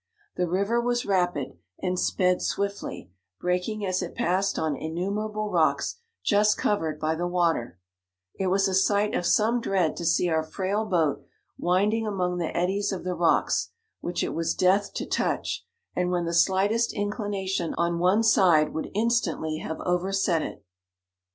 The river was rapid, and sped swiftly, breaking as it passed on in numerable rocks just covered by the water: it was a sight of some dread to see our frail boat winding among the eddies of the rocks, which it was death to touch, and when the slightest in clination on one side would instantly have overset it.